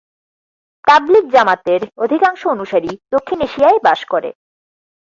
তাবলীগ জামাতের অধিকাংশ অনুসারী দক্ষিণ এশিয়ায় বাস করে।